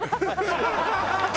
ハハハハ！